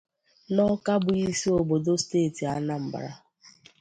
n'Awka bụ isi obodo steeti Anambra.